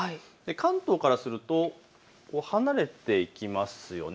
関東からすると離れていきますよね。